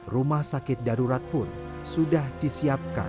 rumah sakit darurat pun sudah disiapkan